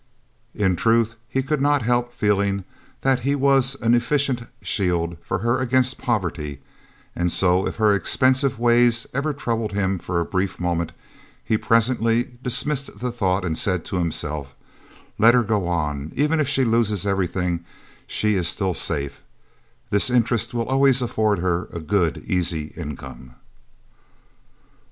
In truth he could not help feeling that he was an efficient shield for her against poverty; and so, if her expensive ways ever troubled him for a brief moment, he presently dismissed the thought and said to himself, "Let her go on even if she loses everything she is still safe this interest will always afford her a good easy income."